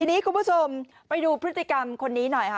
ทีนี้คุณผู้ชมไปดูพฤติกรรมคนนี้หน่อยค่ะ